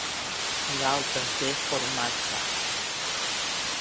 Galtes de formatge.